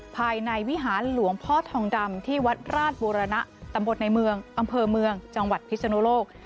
ภายในวิหารหลวงพ่อทองดำที่วัดราชบุรณะตำบลในเมืองอำเภอเมืองจังหวัดพิศนุโลก